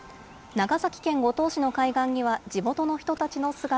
長崎県五島市の海岸には、地元の人たちの姿。